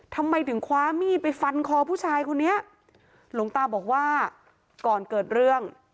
ทำไมถึงคว้ามีดไปฟันคอผู้ชายคนนี้หลวงตาบอกว่าก่อนเกิดเรื่อง